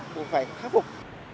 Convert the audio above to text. cũng phải khắc phục